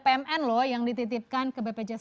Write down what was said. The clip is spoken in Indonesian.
pmn loh yang dititipkan ke bpjs